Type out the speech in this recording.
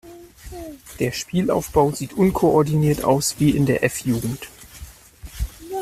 Der Spielaufbau sieht unkoordiniert aus wie in der F-Jugend.